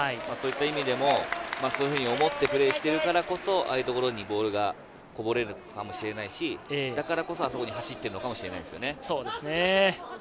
そういった意味でもそう思ってプレーしてるからこそ、ああいうところにボールがこぼれるかもしれないし、だからこそ、あそこに走ってるのかもしれないですね。